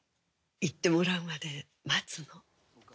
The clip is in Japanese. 言ってもらうまで待つの。